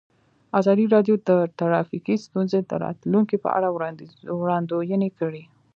ازادي راډیو د ټرافیکي ستونزې د راتلونکې په اړه وړاندوینې کړې.